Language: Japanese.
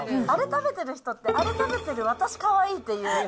あれ食べてる人って、あれ食べてる私かわいいっていう。